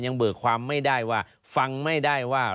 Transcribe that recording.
เบิกความไม่ได้ว่าฟังไม่ได้ว่า